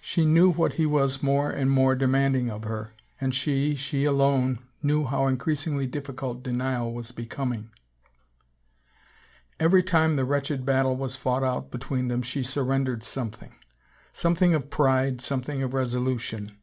She knew what ^^^^ he was more and more demanding of her and she, and she alone, knew how increasingly dif ficult denial was becoming. Every time the wretched battle was fought out between them she surrendered something — something of pride, something of resolution.